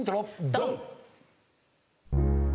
ドン！